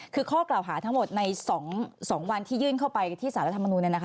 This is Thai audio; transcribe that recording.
คือข้อกล่าวหาทั้งหมดใน๒วันที่ยื่นเข้าไปที่สารรัฐมนุน